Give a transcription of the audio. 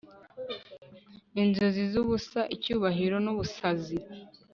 inzozi zubusa, icyubahiro nubusazi